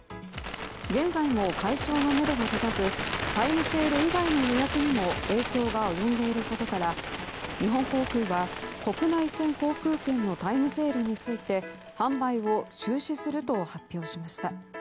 現在も解消のめどが立たずタイムセール以外の予約にも影響が及んでいることから日本航空は、国内線航空券のタイムセールについて販売を中止すると発表しました。